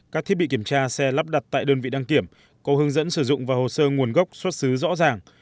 các thiết bị kiểm tra xe lắp đặt tại đơn vị đăng kiểm có hướng dẫn sử dụng và hồ sơ nguồn gốc xuất xứ rõ ràng